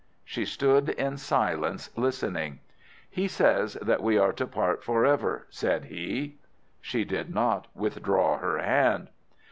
"She stood in silence, listening. "'He says that we are to part for ever,' said he. "She did not withdraw her hand.